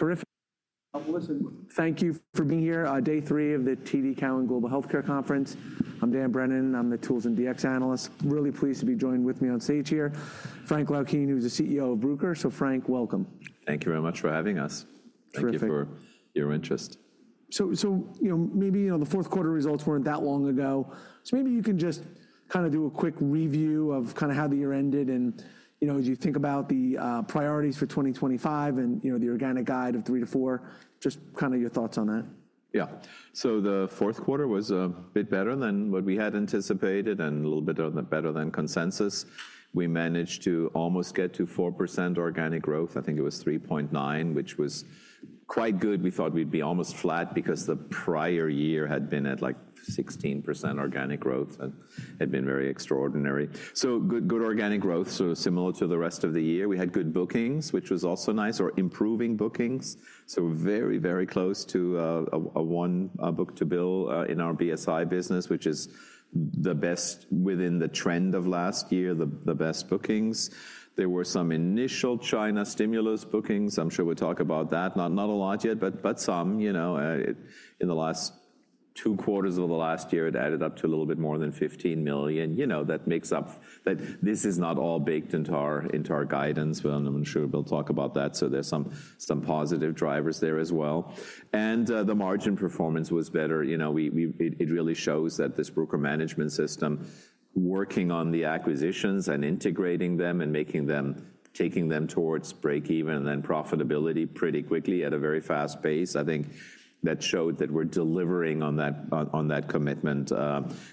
Terrific. Thank you for being here. Day three of the TD Cowen Global Healthcare Conference. I'm Dan Brennan. I'm the Tools and DX Analyst. Really pleased to be joined with me on stage here, Frank Laukien, who's the CEO of Bruker, so Frank, welcome. Thank you very much for having us. Terrific. Thank you for your interest. So, you know, maybe, you know, the fourth quarter results weren't that long ago. So maybe you can just kind of do a quick review of kind of how the year ended and, you know, as you think about the priorities for 2025 and, you know, the organic guide of 3%-4%, just kind of your thoughts on that. Yeah. So the fourth quarter was a bit better than what we had anticipated and a little bit better than consensus. We managed to almost get to 4% organic growth. I think it was 3.9, which was quite good. We thought we'd be almost flat because the prior year had been at like 16% organic growth and had been very extraordinary. So good, good organic growth. So similar to the rest of the year, we had good bookings, which was also nice, or improving bookings. So very, very close to a one book-to-bill in our BSI business, which is the best within the trend of last year, the best bookings. There were some initial China stimulus bookings. I'm sure we'll talk about that. Not a lot yet, but some, you know, in the last two quarters of the last year, it added up to a little bit more than $15 million. You know, that makes up. That this is not all baked into our guidance. I'm sure we'll talk about that. So there's some positive drivers there as well. And the margin performance was better. You know, it really shows that this Bruker management system working on the acquisitions and integrating them and making them, taking them towards breakeven and then profitability pretty quickly at a very fast pace. I think that showed that we're delivering on that commitment.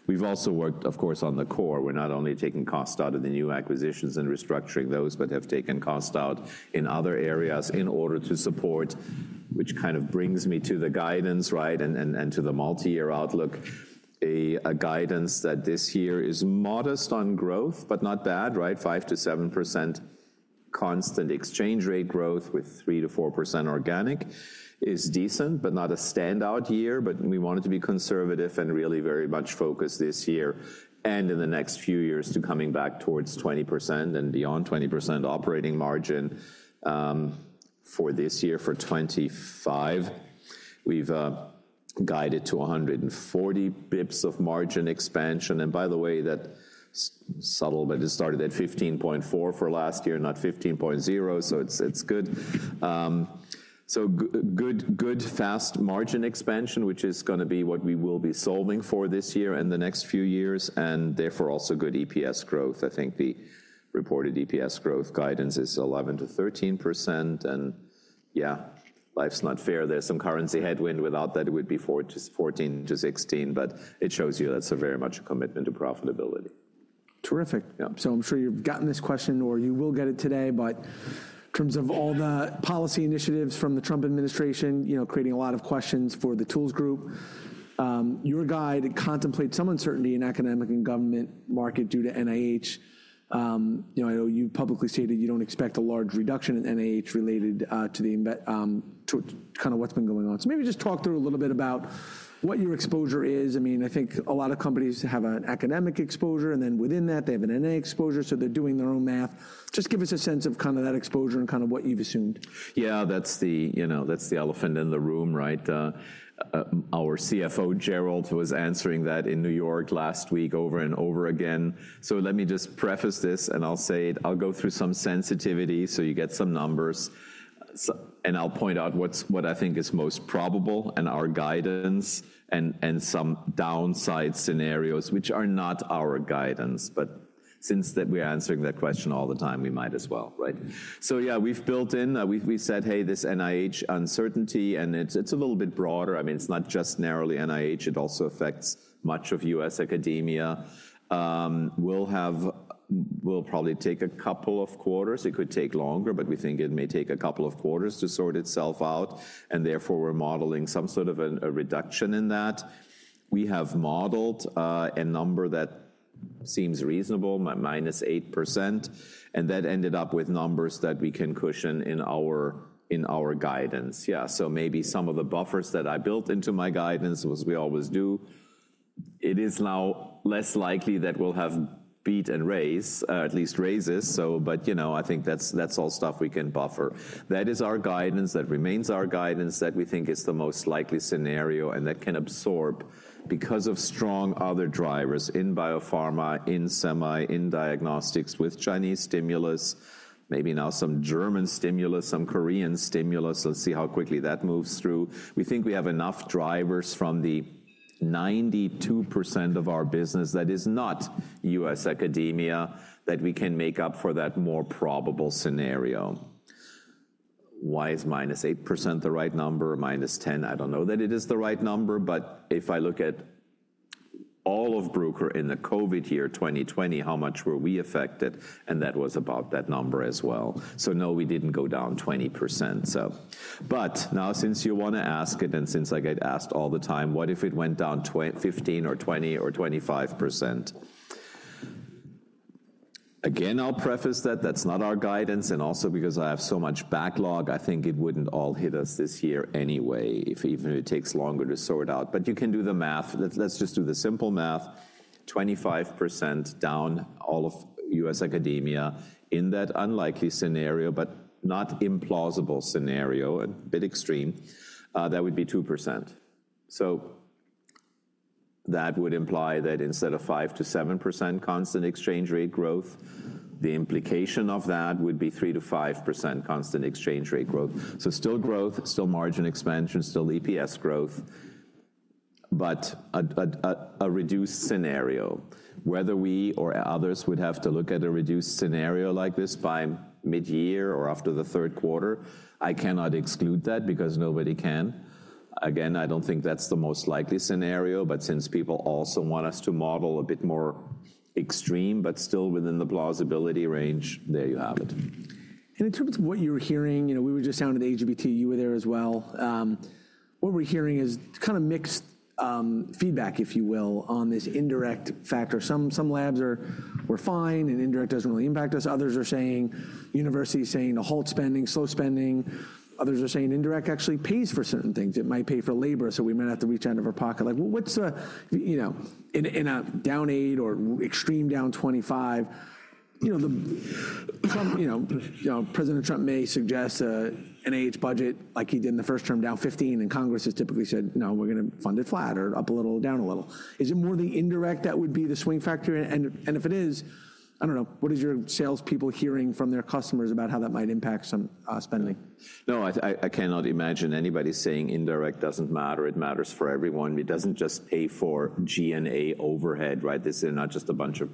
We've also worked, of course, on the core. We're not only taking cost out of the new acquisitions and restructuring those, but have taken cost out in other areas in order to support, which kind of brings me to the guidance, right, and to the multi-year outlook. A guidance that this year is modest on growth, but not bad, right? 5%-7% constant exchange rate growth with 3%-4% organic is decent, but not a standout year. But we wanted to be conservative and really very much focused this year and in the next few years to coming back towards 20% and beyond 20% operating margin for this year, for 2025. We've guided to 140 basis points of margin expansion. And by the way, that's subtle, but it started at 15.4 for last year, not 15.0. So it's good. So good, good fast margin expansion, which is going to be what we will be solving for this year and the next few years, and therefore also good EPS growth. I think the reported EPS growth guidance is 11%-13%. And yeah, life's not fair. There's some currency headwind. Without that, it would be 14%-16%. But it shows you that's very much a commitment to profitability. Terrific. So I'm sure you've gotten this question or you will get it today, but in terms of all the policy initiatives from the Trump administration, you know, creating a lot of questions for the Tools Group, your guide contemplates some uncertainty in academic and government market due to NIH. You know, I know you've publicly stated you don't expect a large reduction in NIH related to kind of what's been going on, so maybe just talk through a little bit about what your exposure is. I mean, I think a lot of companies have an academic exposure, and then within that, they have an NIH exposure, so they're doing their own math. Just give us a sense of kind of that exposure and kind of what you've assumed. Yeah, that's the, you know, that's the elephant in the room, right? Our CFO, Gerald, was answering that in New York last week over and over again. So let me just preface this and I'll say it. I'll go through some sensitivity so you get some numbers, and I'll point out what I think is most probable and our guidance and some downside scenarios, which are not our guidance. But since that we are answering that question all the time, we might as well, right? So yeah, we've built in, we said, hey, this NIH uncertainty, and it's a little bit broader. I mean, it's not just narrowly NIH. It also affects much of U.S. academia. We'll probably take a couple of quarters. It could take longer, but we think it may take a couple of quarters to sort itself out. And therefore, we're modeling some sort of a reduction in that. We have modeled a number that seems reasonable, minus 8%. And that ended up with numbers that we can cushion in our guidance. Yeah. So maybe some of the buffers that I built into my guidance, as we always do, it is now less likely that we'll have beat and raise, at least raises. So, but, you know, I think that's all stuff we can buffer. That is our guidance that remains our guidance that we think is the most likely scenario and that can absorb because of strong other drivers in biopharma, in semi, in diagnostics with Chinese stimulus, maybe now some German stimulus, some Korean stimulus. Let's see how quickly that moves through. We think we have enough drivers from the 92% of our business that is not U.S. academia that we can make up for that more probable scenario. Why is -8% the right number? -10%, I don't know that it is the right number, but if I look at all of Bruker in the COVID year, 2020, how much were we affected? And that was about that number as well. So no, we didn't go down 20%. So, but now since you want to ask it and since I get asked all the time, what if it went down 15% or 20% or 25%? Again, I'll preface that that's not our guidance. And also because I have so much backlog, I think it wouldn't all hit us this year anyway, if even it takes longer to sort out. But you can do the math. Let's just do the simple math. 25% down all of U.S. academia in that unlikely scenario, but not implausible scenario, a bit extreme, that would be 2%. So that would imply that instead of 5%-7% constant exchange rate growth, the implication of that would be 3%-5% constant exchange rate growth. So still growth, still margin expansion, still EPS growth, but a reduced scenario. Whether we or others would have to look at a reduced scenario like this by mid-year or after the third quarter, I cannot exclude that because nobody can. Again, I don't think that's the most likely scenario, but since people also want us to model a bit more extreme, but still within the plausibility range, there you have it. In terms of what you're hearing, you know, we were just sounding at the AGBT. You were there as well. What we're hearing is kind of mixed feedback, if you will, on this indirect factor. Some labs are fine, and indirect doesn't really impact us. Others are saying, universities saying to halt spending, slow spending. Others are saying indirect actually pays for certain things. It might pay for labor. So we might have to reach out of our pocket. Like what's the, you know, in a downside or extreme down 25%, you know, the, you know, President Trump may suggest an NIH budget like he did in the first term, down 15%, and Congress has typically said, no, we're going to fund it flat or up a little, down a little. Is it more the indirect that would be the swing factor? If it is, I don't know, what is your salespeople hearing from their customers about how that might impact some spending? No, I cannot imagine anybody saying indirect doesn't matter. It matters for everyone. It doesn't just pay for G&A overhead, right? This is not just a bunch of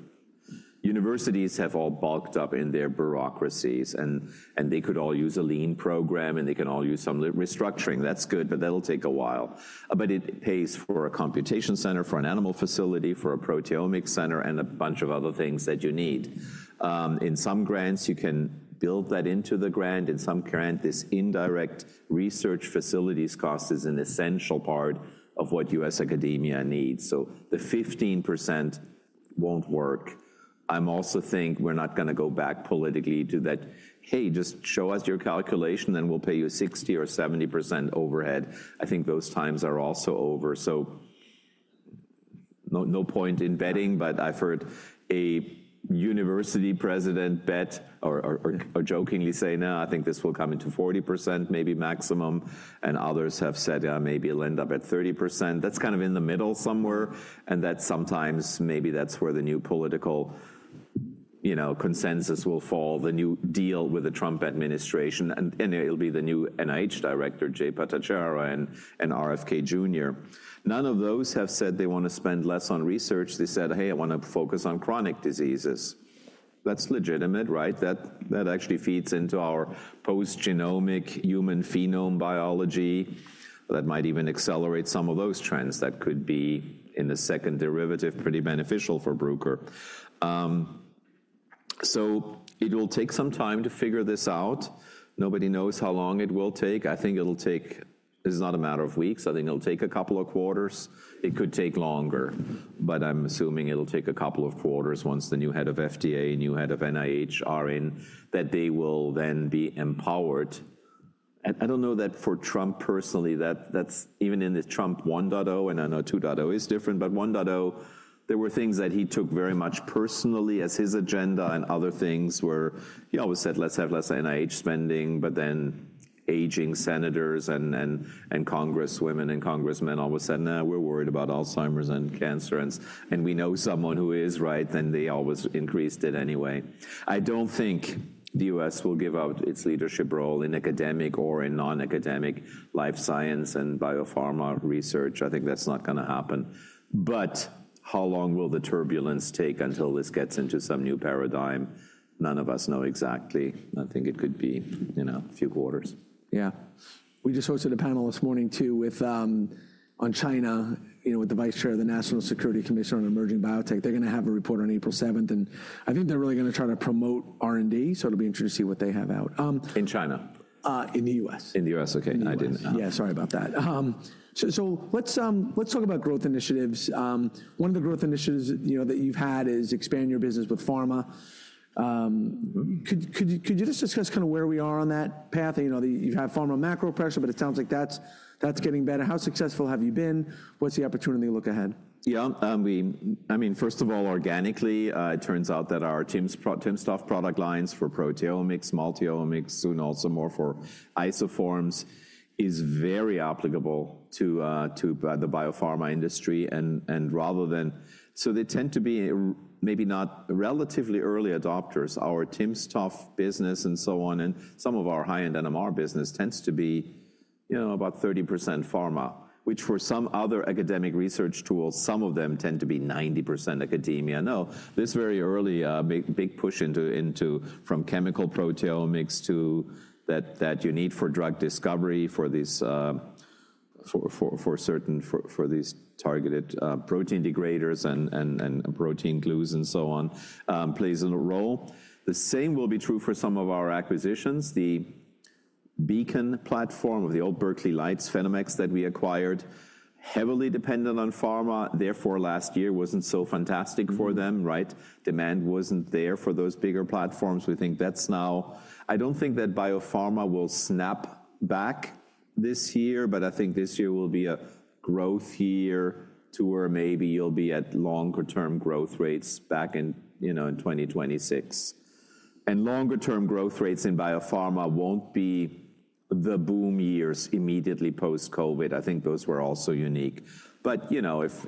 universities have all bulked up in their bureaucracies, and they could all use a lean program, and they can all use some restructuring. That's good, but that'll take a while. But it pays for a Computation Center, for an animal facility, for a Proteomics Center, and a bunch of other things that you need. In some grants, you can build that into the grant. In some grant, this indirect research facilities cost is an essential part of what U.S. academia needs. So the 15% won't work. I also think we're not going to go back politically to that, hey, just show us your calculation, then we'll pay you 60% or 70% overhead. I think those times are also over. No point in betting, but I've heard a university president bet or jokingly say, no, I think this will come into 40%, maybe maximum. Others have said, yeah, maybe it'll end up at 30%. That's kind of in the middle somewhere. That's sometimes maybe that's where the new political, you know, consensus will fall, the new deal with the Trump administration. It'll be the new NIH director, Jay Bhattacharya and RFK Jr. None of those have said they want to spend less on research. They said, hey, I want to focus on chronic diseases. That's legitimate, right? That actually feeds into our post-genomic human phenome biology. That might even accelerate some of those trends that could be in the second derivative, pretty beneficial for Bruker. It will take some time to figure this out. Nobody knows how long it will take. I think it'll take. It's not a matter of weeks. I think it'll take a couple of quarters. It could take longer, but I'm assuming it'll take a couple of quarters once the new head of FDA, new head of NIH are in, that they will then be empowered. I don't know that for Trump personally, that that's even in the Trump 1.0, and I know 2.0 is different, but 1.0, there were things that he took very much personally as his agenda and other things where he always said, let's have less NIH spending, but then aging senators and congresswomen and congressmen all of a sudden, we're worried about Alzheimer's and cancer, and we know someone who is, right? Then they always increased it anyway. I don't think the U.S. will give up its leadership role in academic or in non-academic life science and biopharma research. I think that's not going to happen. But how long will the turbulence take until this gets into some new paradigm? None of us know exactly. I think it could be, you know, a few quarters. Yeah. We just hosted a panel this morning too, with, on China, you know, with the vice chair of the National Security Commission on Emerging Biotech. They're going to have a report on April 7th, and I think they're really going to try to promote R&D, so it'll be interesting to see what they have out. In China? In the U.S. In the U.S. Okay. I didn't. Yeah. Sorry about that. So let's talk about growth initiatives. One of the growth initiatives, you know, that you've had is expand your business with pharma. Could you just discuss kind of where we are on that path? You know, you've had pharma macro pressure, but it sounds like that's getting better. How successful have you been? What's the opportunity to look ahead? Yeah. I mean, first of all, organically, it turns out that our timsTOF product lines for proteomics, multi-omics, and also more for isoforms is very applicable to the biopharma industry. And rather than, so they tend to be maybe not relatively early adopters. Our timsTOF business and so on, and some of our high-end NMR business tends to be, you know, about 30% pharma, which for some other academic research tools, some of them tend to be 90% academia. No, this very early big push into from chemical proteomics to that you need for drug discovery for these, for certain, for these targeted protein degraders and protein glues and so on plays a role. The same will be true for some of our acquisitions. The Beacon platform of the old Berkeley Lights PhenomeX that we acquired, heavily dependent on pharma, therefore last year wasn't so fantastic for them, right? Demand wasn't there for those bigger platforms. We think that's now. I don't think that biopharma will snap back this year, but I think this year will be a growth year to where maybe you'll be at longer-term growth rates back in, you know, in 2026. Longer-term growth rates in biopharma won't be the boom years immediately post-COVID. I think those were also unique. But, you know, if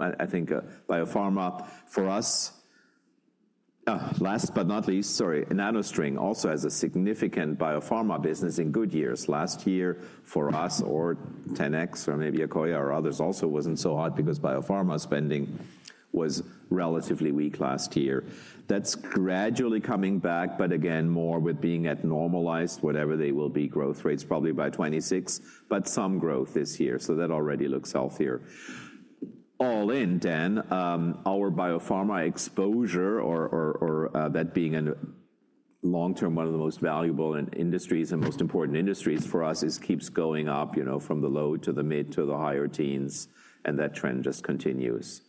I think biopharma for us, last but not least, sorry, NanoString also has a significant biopharma business in good years. Last year for us or 10X or maybe Akoya or others also wasn't so hot because biopharma spending was relatively weak last year. That's gradually coming back, but again, more with being at normalized, whatever they will be growth rates, probably by 2026, but some growth this year. So that already looks healthier. All in, Dan, our biopharma exposure or that being a long-term, one of the most valuable industries and most important industries for us keeps going up, you know, from the low to the mid to the higher teens, and that trend just continues.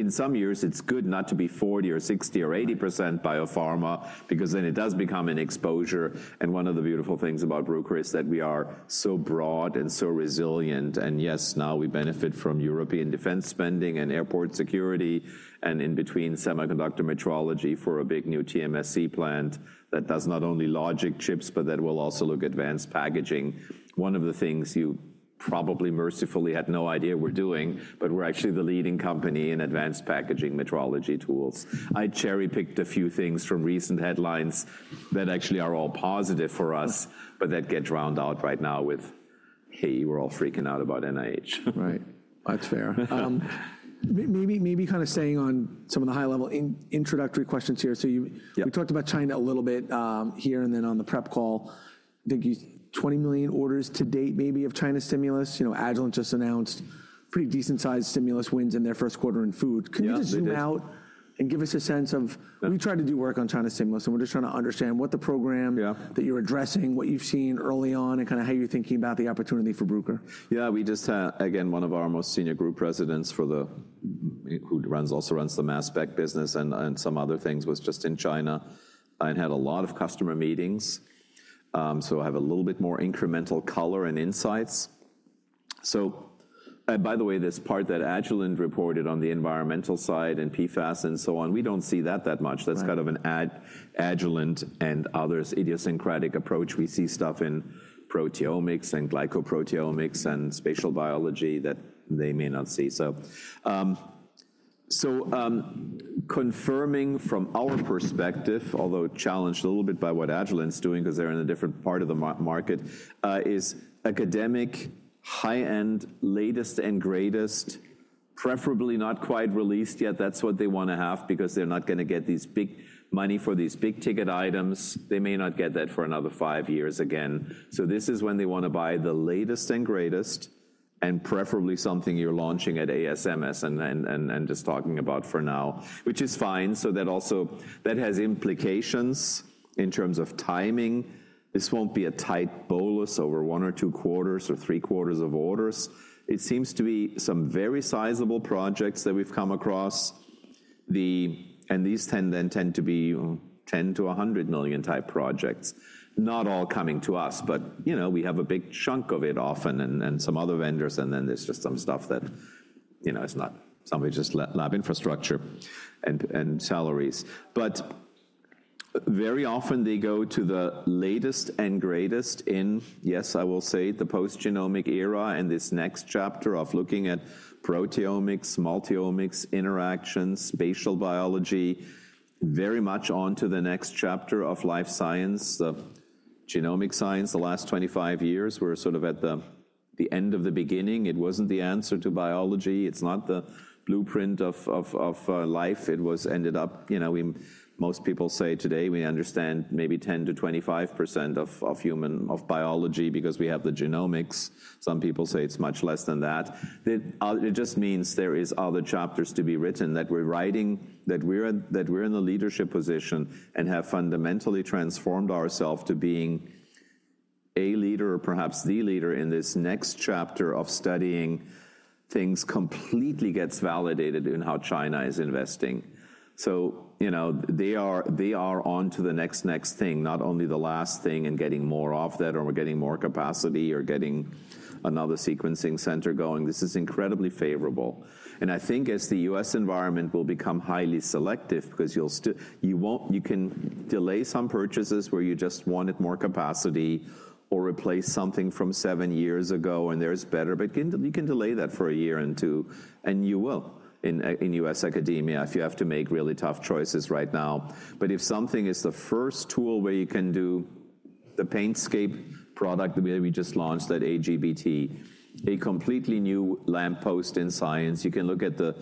In some years, it's good not to be 40% or 60% or 80% biopharma because then it does become an exposure. One of the beautiful things about Bruker is that we are so broad and so resilient. Yes, now we benefit from European defense spending and airport security and in between semiconductor metrology for a big new TSMC plant that does not only logic chips, but that will also look at advanced packaging. One of the things you probably mercifully had no idea we're doing, but we're actually the leading company in advanced packaging metrology tools. I cherry-picked a few things from recent headlines that actually are all positive for us, but that get drowned out right now with, hey, we're all freaking out about NIH. Right. That's fair. Maybe kind of staying on some of the high-level introductory questions here. So we talked about China a little bit here and then on the prep call. I think 20 million orders to date maybe of China stimulus. You know, Agilent just announced pretty decent-sized stimulus wins in their first quarter in food. Could you just zoom out and give us a sense of, we've tried to do work on China stimulus and we're just trying to understand what the program that you're addressing, what you've seen early on and kind of how you're thinking about the opportunity for Bruker? Yeah. We just had, again, one of our most senior group presidents for the, who also runs the mass spec business and some other things was just in China and had a lot of customer meetings. So I have a little bit more incremental color and insights. So, and by the way, this part that Agilent reported on the environmental side and PFAS and so on, we don't see that that much. That's kind of an Agilent and others idiosyncratic approach. We see stuff in proteomics and glycoproteomics and spatial biology that they may not see. So, so confirming from our perspective, although challenged a little bit by what Agilent's doing because they're in a different part of the market, is academic high-end, latest and greatest, preferably not quite released yet. That's what they want to have because they're not going to get these big money for these big ticket items. They may not get that for another five years again. So this is when they want to buy the latest and greatest and preferably something you're launching at ASMS and just talking about for now, which is fine. So that also has implications in terms of timing. This won't be a tight bolus over one or two quarters or three quarters of orders. It seems to be some very sizable projects that we've come across. And these tend to be $10 million-$100 million type projects. Not all coming to us, but you know, we have a big chunk of it often and some other vendors. And then there's just some stuff that, you know, it's not some of it's just lab infrastructure and salaries. but very often they go to the latest and greatest in, yes, I will say the post-genomic era and this next chapter of looking at proteomics, multi-omics, interactions, spatial biology, very much onto the next chapter of life science, the genomic science. The last 25 years, we're sort of at the end of the beginning. It wasn't the answer to biology. It's not the blueprint of life. It was ended up, you know, most people say today we understand maybe 10%-25% of human biology because we have the genomics. Some people say it's much less than that. It just means there are other chapters to be written that we're writing, that we're in the leadership position and have fundamentally transformed ourselves to being a leader or perhaps the leader in this next chapter of studying things completely gets validated in how China is investing. You know, they are onto the next next thing, not only the last thing and getting more of that or we're getting more capacity or getting another sequencing center going. This is incredibly favorable. I think as the U.S. environment will become highly selective because you'll still, you won't, you can delay some purchases where you just wanted more capacity or replace something from seven years ago and there's better, but you can delay that for a year and two. You will in U.S. academia if you have to make really tough choices right now. But if something is the first tool where you can do the PaintSCAPE product that we just launched at AGBT, a completely new landmark in science, you can look at the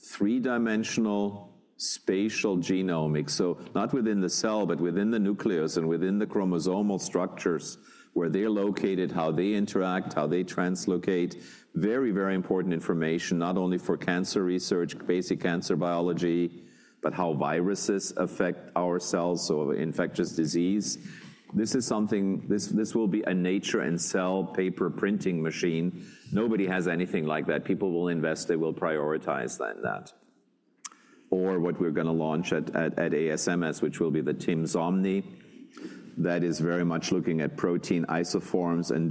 three-dimensional spatial genomics. So, not within the cell, but within the nucleus and within the chromosomal structures where they're located, how they interact, how they translocate, very, very important information, not only for cancer research, basic cancer biology, but how viruses affect our cells or infectious disease. This is something; this will be a Nature and Cell paper printing machine. Nobody has anything like that. People will invest; they will prioritize that, or what we're going to launch at ASMS, which will be the timsOmni, that is very much looking at protein isoforms and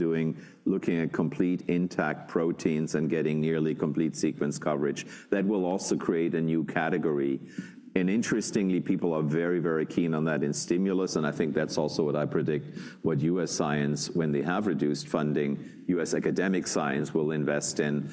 looking at complete intact proteins and getting nearly complete sequence coverage. That will also create a new category, and interestingly, people are very, very keen on that in stimulus, and I think that's also what I predict what U.S. science, when they have reduced funding, U.S. Academic science will invest in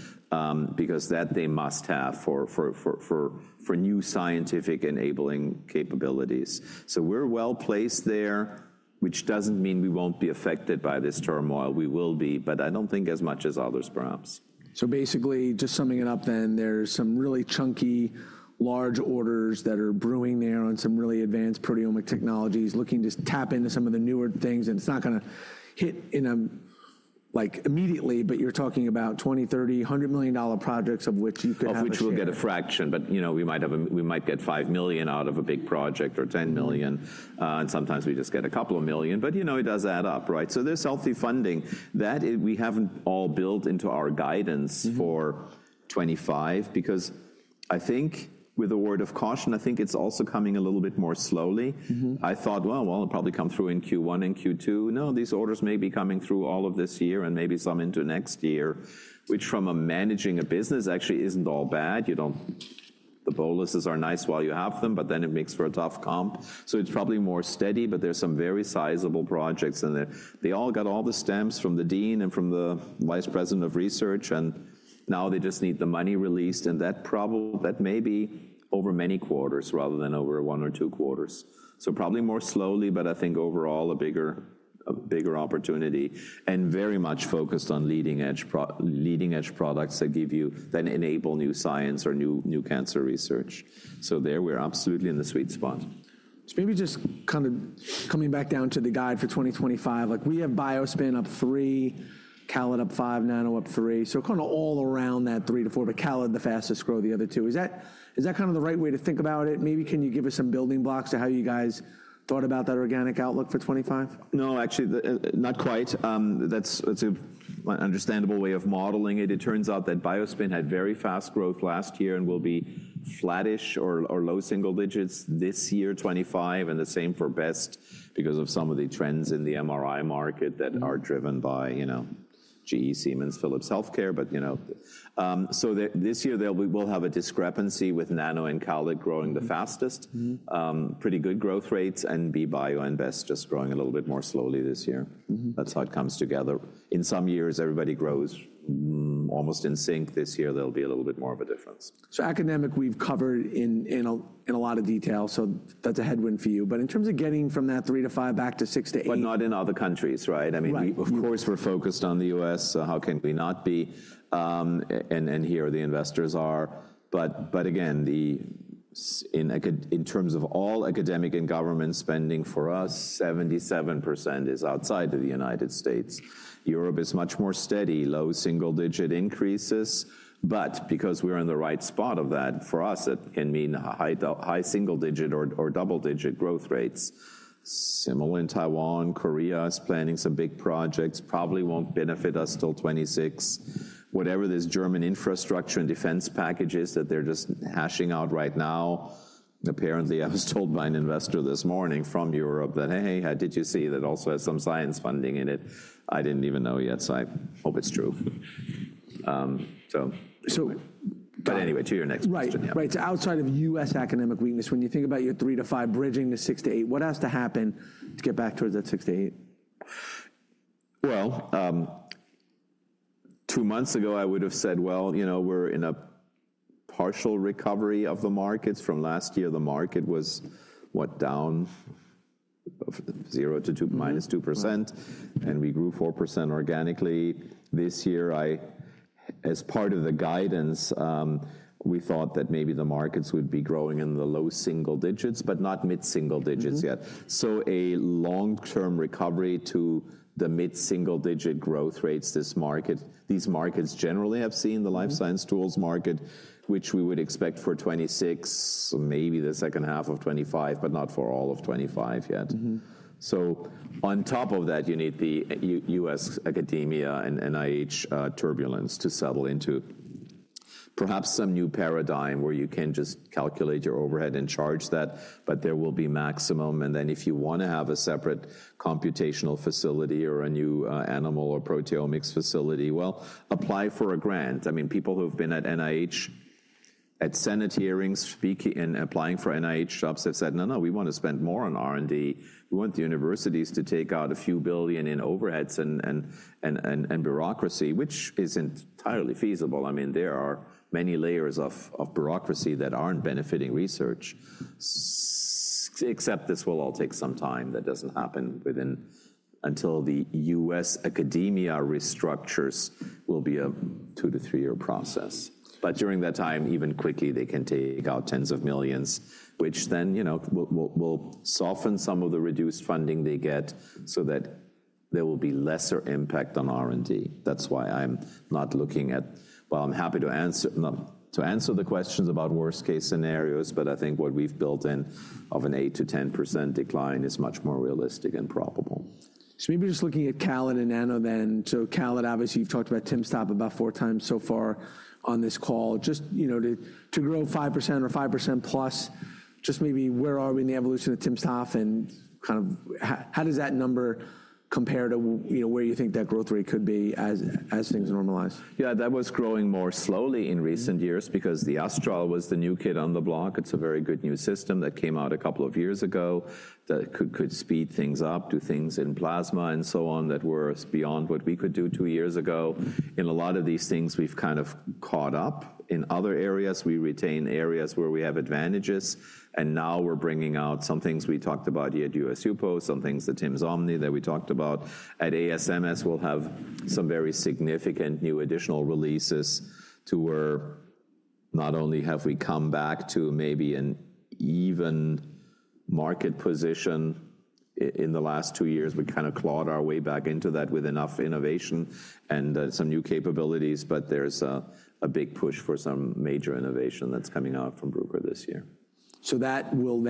because that they must have for new scientific enabling capabilities, so we're well placed there, which doesn't mean we won't be affected by this turmoil. We will be, but I don't think as much as others perhaps. So basically just summing it up then, there's some really chunky large orders that are brewing there on some really advanced proteomic technologies looking to tap into some of the newer things. And it's not going to hit in, like, immediately, but you're talking about $20 million, $30 million, $100 million projects of which you could have. Of which we'll get a fraction, but you know, we might get $5 million out of a big project or $10 million. And sometimes we just get a couple of million, but you know, it does add up, right? So there's healthy funding that we haven't all built into our guidance for 2025 because I think with a word of caution, I think it's also coming a little bit more slowly. I thought, well, it'll probably come through in Q1 and Q2. No, these orders may be coming through all of this year and maybe some into next year, which, from managing a business, actually isn't all bad. You don't, the boluses are nice while you have them, but then it makes for a tough comp. So it's probably more steady, but there's some very sizable projects and they all got all the stamps from the dean and from the Vice President of Research. And now they just need the money released and that probably, that may be over many quarters rather than over one or two quarters. So probably more slowly, but I think overall a bigger opportunity and very much focused on leading-edge products that give you, that enable new science or new cancer research. So there we're absolutely in the sweet spot. So maybe just kind of coming back down to the guide for 2025, like we have BioSpin up three, CALID up five, Nano up three. So kind of all around that 3-4, but CALID the fastest grow, the other two. Is that kind of the right way to think about it? Maybe can you give us some building blocks to how you guys thought about that organic outlook for 25? No, actually not quite. That's an understandable way of modeling it. It turns out that BioSpin had very fast growth last year and will be flattish or low single digits this year, 2025, and the same for BEST because of some of the trends in the MRI market that are driven by, you know, GE, Siemens, Philips Healthcare. But you know, so this year there will have a discrepancy with Nano and CALID growing the fastest, pretty good growth rates, and BioSpin and BEST just growing a little bit more slowly this year. That's how it comes together. In some years, everybody grows almost in sync. This year, there'll be a little bit more of a difference. So academic, we've covered in a lot of detail. So that's a headwind for you. But in terms of getting from that three to five back to six to eight. But not in other countries, right? I mean, of course we're focused on the U.S. So how can we not be? And here the investors are. But again, in terms of all academic and government spending for us, 77% is outside of the United States. Europe is much more steady, low single digit increases. But because we're in the right spot of that, for us, that can mean high single digit or double digit growth rates. Similar in Taiwan, Korea is planning some big projects, probably won't benefit us till 2026. Whatever this German infrastructure and defense packages that they're just hashing out right now, apparently I was told by an investor this morning from Europe that, hey, how did you see that also has some science funding in it? I didn't even know yet. So I hope it's true. So, but anyway, to your next question. Right. So outside of U.S. academic weakness, when you think about your three to five bridging to six to eight, what has to happen to get back towards that six to eight? Two months ago, I would have said, well, you know, we're in a partial recovery of the markets. From last year, the market was what, down 0% to -2%, and we grew 4% organically. This year, as part of the guidance, we thought that maybe the markets would be growing in the low single digits, but not mid single digits yet. So a long-term recovery to the mid single digit growth rates this market, these markets generally have seen the life science tools market, which we would expect for 2026, maybe the second half of 2025, but not for all of 2025 yet. So on top of that, you need the U.S. academia and NIH turbulence to settle into perhaps some new paradigm where you can just calculate your overhead and charge that, but there will be maximum. And then if you want to have a separate computational facility or a new animal or proteomics facility, well, apply for a grant. I mean, people who've been at NIH at Senate hearings speaking and applying for NIH jobs have said, no, no, we want to spend more on R&D. We want the universities to take out a few billion in overheads and bureaucracy, which is entirely feasible. I mean, there are many layers of bureaucracy that aren't benefiting research, except this will all take some time. That doesn't happen within until the U.S. academia restructures will be a two- to three-year process. But during that time, even quickly, they can take out tens of millions, which then, you know, will soften some of the reduced funding they get so that there will be lesser impact on R&D. That's why I'm not looking at, well, I'm happy to answer the questions about worst case scenarios, but I think what we've built in of an 8%-10% decline is much more realistic and probable. So maybe just looking at CALID and Nano then. So CALID, obviously you've talked about timsTOF about four times so far on this call, just, you know, to grow 5% or 5% plus, just maybe where are we in the evolution of timsTOF and kind of how does that number compare to where you think that growth rate could be as things normalize? Yeah, that was growing more slowly in recent years because the Astral was the new kid on the block. It's a very good new system that came out a couple of years ago that could speed things up, do things in plasma and so on that were beyond what we could do two years ago. In a lot of these things, we've kind of caught up. In other areas, we retain areas where we have advantages. Now we're bringing out some things we talked about here at USUPO, some things that timsOmni that we talked about at ASMS will have some very significant new additional releases to where not only have we come back to maybe an even market position in the last two years, we kind of clawed our way back into that with enough innovation and some new capabilities, but there's a big push for some major innovation that's coming out from Bruker this year. So, will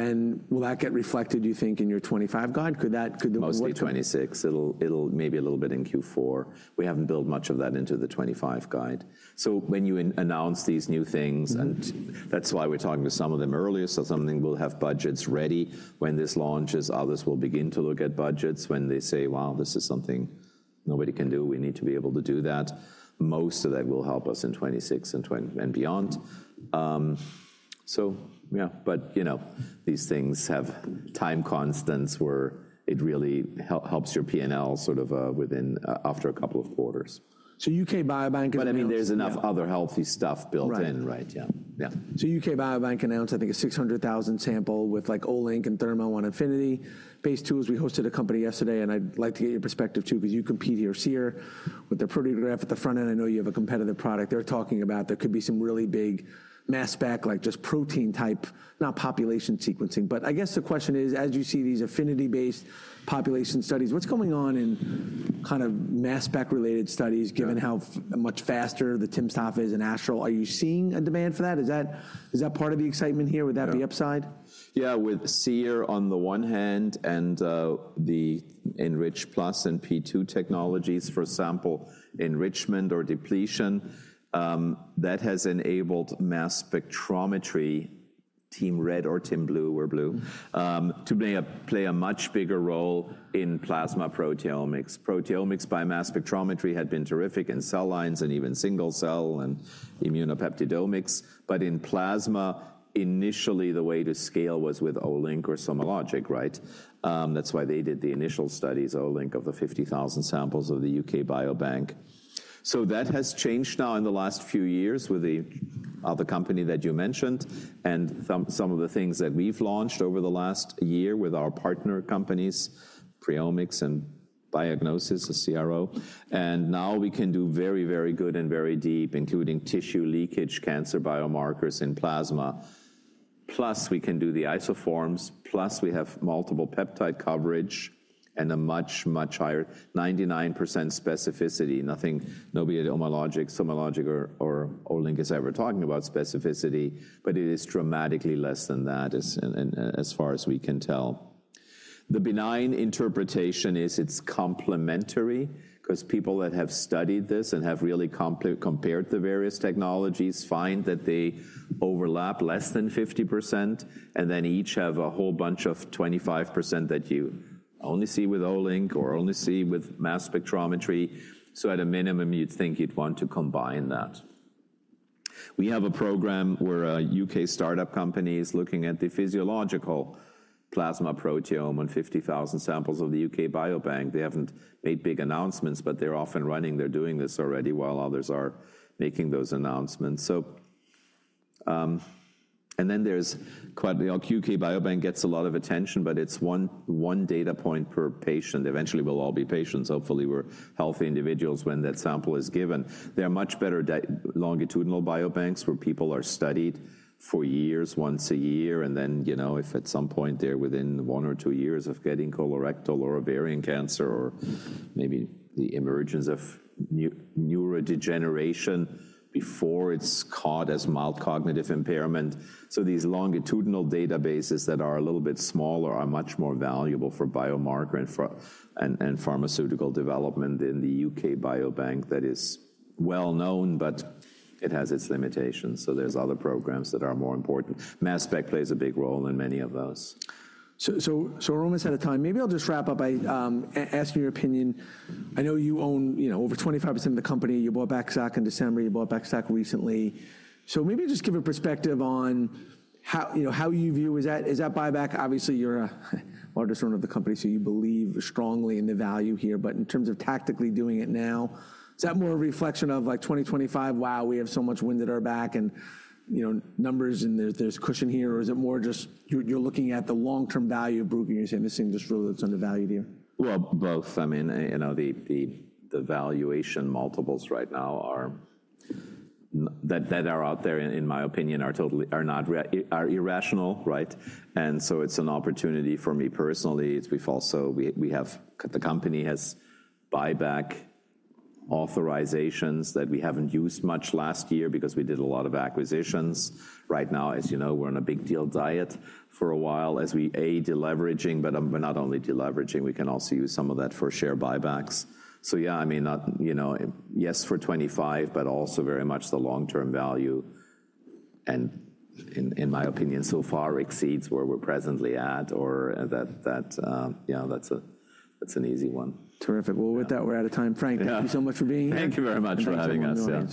that get reflected, do you think, in your 25 guide? Could that, could the. Mostly 2026. It'll maybe a little bit in Q4. We haven't built much of that into the 2025 guide. So when you announce these new things, and that's why we're talking to some of them earlier. So something we'll have budgets ready when this launches. Others will begin to look at budgets when they say, wow, this is something nobody can do. We need to be able to do that. Most of that will help us in 2026 and beyond. So yeah, but you know, these things have time constants where it really helps your P&L sort of within after a couple of quarters. UK Biobank announced. But I mean, there's enough other healthy stuff built in, right? Yeah. Yeah. So UK Biobank announced, I think, a 600,000 sample with like Olink and Thermo and Affinity based tools. We hosted a company yesterday and I'd like to get your perspective too because you compete here with Seer with the Proteograph at the front end. I know you have a competitive product they're talking about. There could be some really big mass spec, like just protein type, not population sequencing. But I guess the question is, as you see these affinity-based population studies, what's going on in kind of mass spec related studies given how much faster the timsTOF is and Astral? Are you seeing a demand for that? Is that part of the excitement here? Would that be upside? Yeah, with Seer on the one hand and the Enrich Plus and P2 technologies for sample enrichment or depletion, that has enabled mass spectrometry team red or team blue or blue to play a much bigger role in plasma proteomics. Proteomics by mass spectrometry had been terrific in cell lines and even single cell and immunopeptidomics, but in plasma, initially the way to scale was with Olink or SomaLogic, right? That's why they did the initial studies, Olink of the 50,000 samples of the UK Biobank. So that has changed now in the last few years with the other company that you mentioned and some of the things that we've launched over the last year with our partner companies, PreOmics and Biognosys, the CRO. And now we can do very, very good and very deep, including tissue leakage cancer biomarkers in plasma. Plus we can do the isoforms, plus we have multiple peptide coverage and a much, much higher 99% specificity. Nothing, nobody at Olink, SomaLogic or Olink is ever talking about specificity, but it is dramatically less than that as far as we can tell. The benign interpretation is it's complementary because people that have studied this and have really compared the various technologies find that they overlap less than 50% and then each have a whole bunch of 25% that you only see with Olink or only see with mass spectrometry. So at a minimum, you'd think you'd want to combine that. We have a program where a U.K. startup company is looking at the physiological plasma proteome and 50,000 samples of the U.K. Biobank. They haven't made big announcements, but they're often running, they're doing this already while others are making those announcements. And then there's quite the UK Biobank [that] gets a lot of attention, but it's one data point per patient. Eventually we'll all be patients. Hopefully we're healthy individuals when that sample is given. They're much better longitudinal biobanks where people are studied for years once a year. And then, you know, if at some point they're within one or two years of getting colorectal or ovarian cancer or maybe the emergence of neurodegeneration before it's caught as mild cognitive impairment. So these longitudinal databases that are a little bit smaller are much more valuable for biomarker and pharmaceutical development in the UK Biobank that is well known, but it has its limitations. So there's other programs that are more important. Mass spec plays a big role in many of those. So we're almost out of time. Maybe I'll just wrap up by asking your opinion. I know you own, you know, over 25% of the company. You bought back stock in December. You bought back stock recently. So maybe just give a perspective on how, you know, how you view is that, is that buyback? Obviously you're the largest owner of the company, so you believe strongly in the value here, but in terms of tactically doing it now, is that more a reflection of like 2025? Wow, we have so much wind at our back and, you know, numbers and there's cushion here. Or is it more just you're looking at the long-term value of Bruker? You're saying this thing just really looks undervalued here. Both. I mean, you know, the valuation multiples right now that are out there, in my opinion, are totally not irrational, right? So it's an opportunity for me personally. We've also. The company has buyback authorizations that we haven't used much last year because we did a lot of acquisitions. Right now, as you know, we're on a big deal diet for a while as we aid deleveraging, but we're not only deleveraging. We can also use some of that for share buybacks. So yeah, I mean, not, you know, yes for 25, but also very much the long-term value. In my opinion, so far exceeds where we're presently at or that, you know, that's an easy one. Terrific. Well, with that, we're out of time. Frank, thank you so much for being here. Thank you very much for having us. Yeah.